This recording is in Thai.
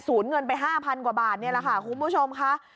เงินไป๕๐๐กว่าบาทนี่แหละค่ะคุณผู้ชมค่ะ